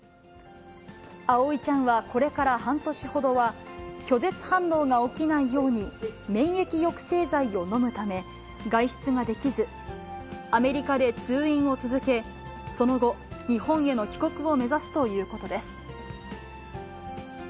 葵ちゃんはこれから半年ほどは、拒絶反応が起きないように免疫抑制剤を飲むため、外出ができず、アメリカで通院を続け、その後、日本への帰国を目指すということです。